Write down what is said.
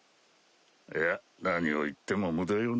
いや何を言っても無駄よな。